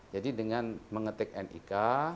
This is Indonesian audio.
jadi dengan mengetik nik